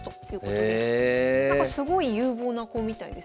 すごい有望な子みたいですね。